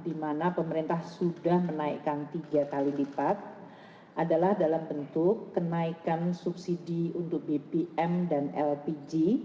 di mana pemerintah sudah menaikkan tiga kali lipat adalah dalam bentuk kenaikan subsidi untuk bbm dan lpg